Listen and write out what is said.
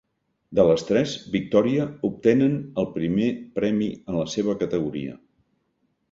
De les tres, Victòria obtenen el primer premi en la seva categoria.